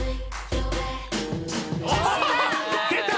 出た！